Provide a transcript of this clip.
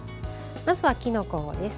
まずは、きのこです。